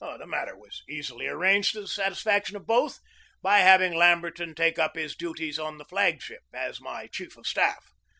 The matter was easily arranged to the satisfac tion of both by having Lamberton take up his duties on the flag ship as my chief of staff.